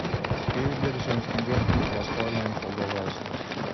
Кээ бирлери ишенишкен жок, а башкалары мени колдоого алышты.